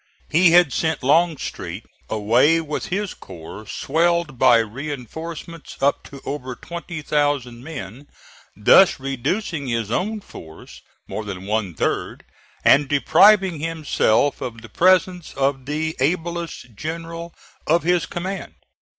He had sent Longstreet away with his corps swelled by reinforcements up to over twenty thousand men, thus reducing his own force more than one third and depriving himself of the presence of the ablest general of his command.